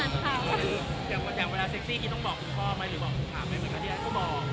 อย่างเวลาเซ็กซี่ที่ต้องบอกพ่อไหมหรือบอกหัวขาวไหมมันก็บอก